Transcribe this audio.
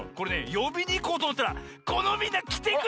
よびにいこうとおもったらこのみんなきてくれました。